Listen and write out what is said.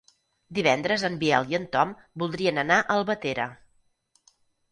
Divendres en Biel i en Tom voldrien anar a Albatera.